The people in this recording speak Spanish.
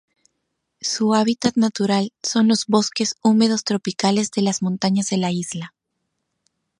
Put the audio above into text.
Su hábitat natural son los bosques húmedos tropicales de las montañas de la isla.